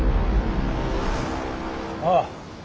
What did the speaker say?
ああ！